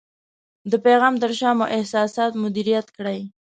د پیغام تر شا مو احساسات مدیریت کړئ.